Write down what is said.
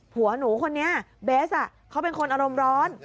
ผัวหนูคนนี้เบสเขาเป็นคนอารมณ์ร้อน